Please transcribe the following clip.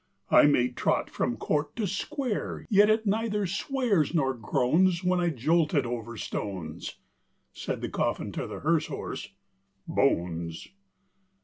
I may trot from court to square, Yet it neither swears nor groans, When I jolt it over stones." Said the coffin to the hearse horse, "Bones!"